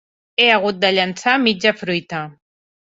He hagut de llençar mitja fruita.